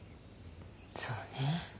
そうね。